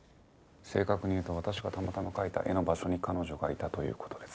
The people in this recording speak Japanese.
正確に言うと私がたまたま描いた絵の場所に彼女がいたという事です。